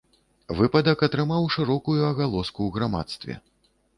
Выпадак атрымаў шырокую агалоску ў грамадстве.